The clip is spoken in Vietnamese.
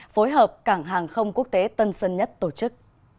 phối hợp cảng hàng không quốc tế tân sơn nhất tổ chức